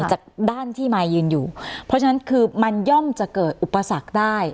จากด้านที่มายยืนอยู่เพราะฉะนั้นคือมันย่อมจะเกิดอุปสรรคได้